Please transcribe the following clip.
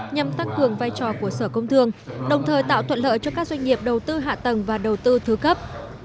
nhằm tăng cường vai trò của sở công thương đồng thời tạo thuận lợi cho các doanh nghiệp đầu tư hạ tầng và đầu tư thứ cấp